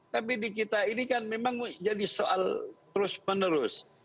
tapi di kita ini kan memang jadi soal terus menerus